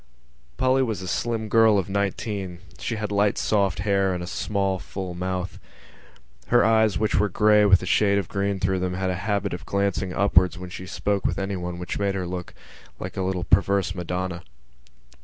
_ Polly was a slim girl of nineteen; she had light soft hair and a small full mouth. Her eyes, which were grey with a shade of green through them, had a habit of glancing upwards when she spoke with anyone, which made her look like a little perverse madonna.